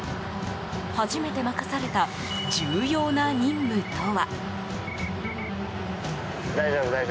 初めて任された重要な任務とは？